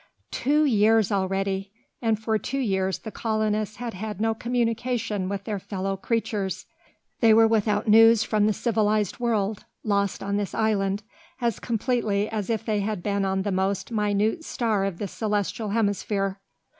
Two years already! and for two years the colonists had had no communication with their fellow creatures! They were without news from the civilised world, lost on this island, as completely as if they had been on the most minute star of the celestial hemisphere!